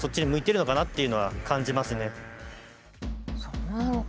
そうなのか。